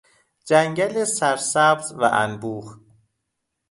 جنگل سرسبز و انبوه